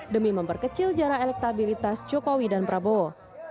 demi memperkecil jarak elektabilitas jokowi dan prabowo